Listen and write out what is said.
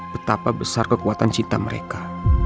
betapa besar kekuatan cinta mereka